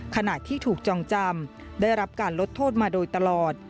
ขณะที่ถูกจองจำได้รับการลดโทษมาโดยตลอด